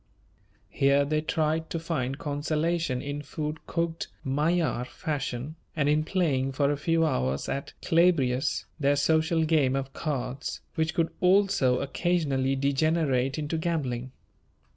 Here they tried to find consolation in food cooked Magyar fashion, and in playing for a few hours at "Clabrias," their social game of cards, which could also occasionally degenerate into gambling.